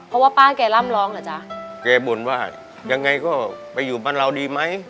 เพราะว่าป้าแกร่ำร้องเหรอจ๊ะแกบ่นว่ายังไงก็ไปอยู่บ้านเราดีไหม